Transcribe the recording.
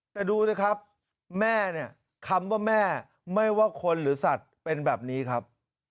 แต่ดูสิครับแม่เนี่ยคำว่าแม่ไม่ว่าคนหรือสัตว์เป็นแบบนี้ครับ